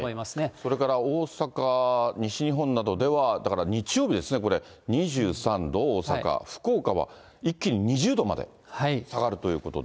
それから大阪、西日本などでは、だから日曜日ですね、これ、２３度、大阪、福岡は一気に２０度まで下がるということで。